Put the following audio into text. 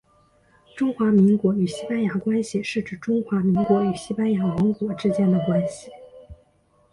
中华民国与西班牙关系是指中华民国与西班牙王国之间的关系。